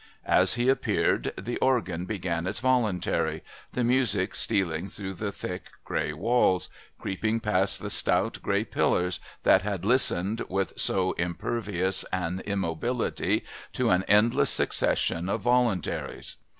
As he appeared the organ began its voluntary, the music stealing through the thick grey walls, creeping past the stout grey pillars that had listened, with so impervious an immobility, to an endless succession of voluntaries.